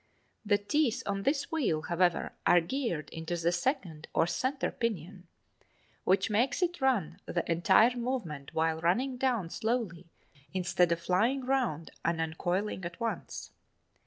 The teeth on this wheel, however, are geared into the second or center pinion (as shown in illustration at "A") which makes it run the entire movement while running down slowly instead of flying round and uncoiling at once.